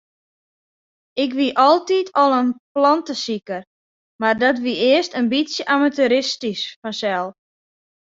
Ik wie altyd al in plantesiker, mar dat wie earst in bytsje amateuristysk fansels.